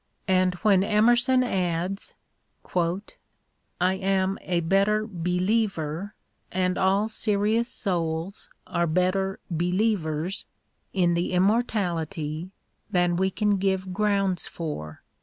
And when Emerson adds : I am a better believer, and all serious souls are better believers, in the immortaUty than we can give grounds for.